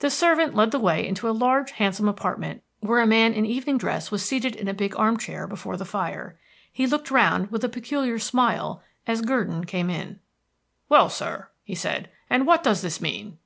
The servant led the way into a large, handsome apartment, where a man in evening dress was seated in a big armchair before the fire. He looked round with a peculiar smile as Gurdon came in. "Well, sir," he said. "And what does this mean?"